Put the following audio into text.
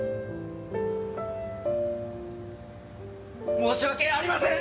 申し訳ありません！